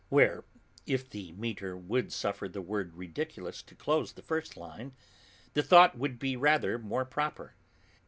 Where if the metre would suffer the word Ridiculous to close the first line, the thought would be rather more proper.